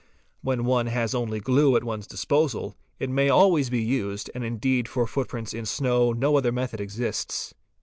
When one has — only glue at one's disposal, it may always be used, and indeed for foot prints in snow no other method exists.